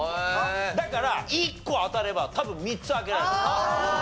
だから１個当たれば多分３つ開けられる。